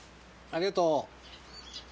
ありがとう。